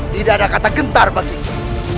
tidak ada kata gentar baginya